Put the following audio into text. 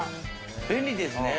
便利ですね。